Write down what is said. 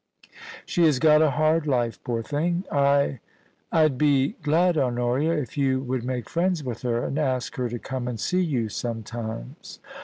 She has got a hard life, poor thing 1 I — Fd be glad, Honoria, if you would make friends with her, and ask her to come and see you sometimes.